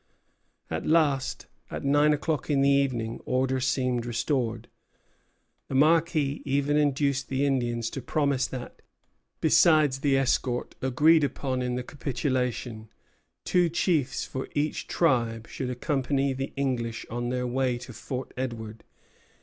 At last, at nine o'clock in the evening, order seemed restored. The Marquis even induced the Indians to promise that, besides the escort agreed upon in the capitulation, two chiefs for each tribe should accompany the English on their way to Fort Edward."